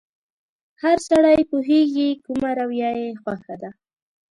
هر سړی پوهېږي کومه رويه يې خوښه ده.